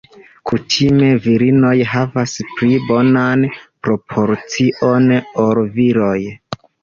Kutime virinoj havas pli bonan proporcion ol viroj.